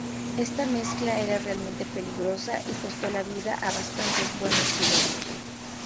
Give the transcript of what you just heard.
Esta mezcla era realmente peligrosa y costó la vida a bastantes buenos pilotos.